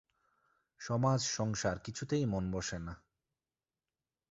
সমাজ-সংসার কিছুতেই মন বসে না।